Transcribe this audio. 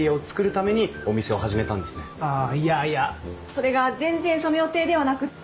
それが全然その予定ではなくって。